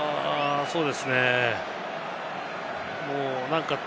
そうですね。